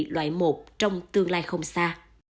loại một trong tương lai không xa